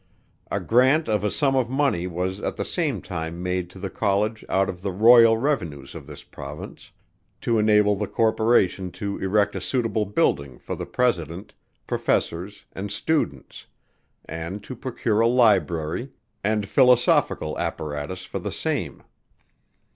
A grant of a sum of money was at the same time made to the College out of the royal revenues in this Province, to enable the Corporation to erect a suitable building for the President, Professors and Students; and to procure a Library, and Philosophical apparatus for the same.